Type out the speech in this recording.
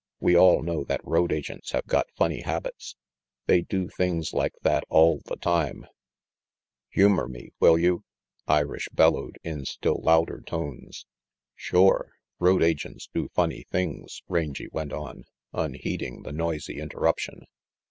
We all know that road agents have got funny habits. They do things like that all the time " 190 RANGY PETE "Humor me, will you?" Irish bellowed, in still louder tones. "Shore, road agents do funny things," Rangy went on, unheeding the noisy interruption.